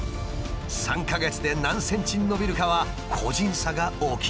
３か月で何ｃｍ伸びるかは個人差が大きいという。